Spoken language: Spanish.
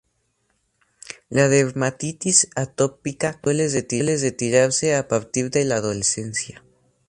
La dermatitis atópica suele retirarse a partir de la adolescencia.